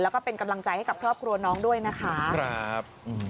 แล้วก็เป็นกำลังใจให้กับครอบครัวน้องด้วยนะคะครับ